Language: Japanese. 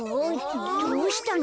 どうしたの？